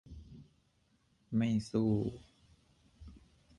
ไม่สู้